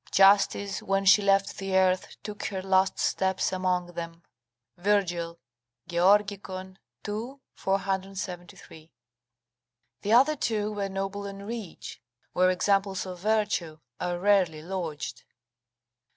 ["Justice, when she left the earth, took her last steps among them." Virgil, Georg., ii. 473.] The other two were noble and rich, where examples of virtue are rarely lodged.